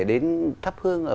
đến thắp hương ở